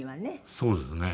そうですね。